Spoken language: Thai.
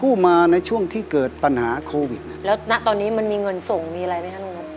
ผู้มาในช่วงที่เกิดปัญหาโควิดแล้วณตอนนี้มันมีเงินส่งมีอะไรไหมคะลุงนบ